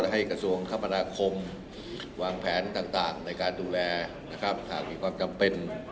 กระทรวงคมนาคมวางแผนต่างในการดูแลนะครับหากมีความจำเป็น